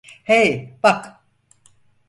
Hey, bak!